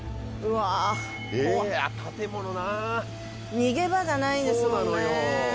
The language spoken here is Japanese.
逃げ場がないですものね。